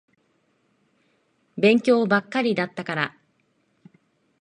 勉強ばっかりだったから。